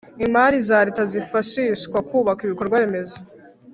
Imari za leta zifashishwa kubaka ibikorwa remezo